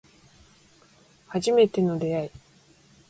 初めての出会い